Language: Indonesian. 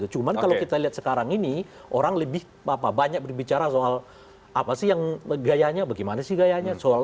cuman kalau kita lihat sekarang ini orang lebih banyak berbicara soal apa sih yang gayanya bagaimana sih gayanya